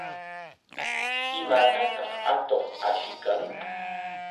¿Imatataq atuq ashiykan?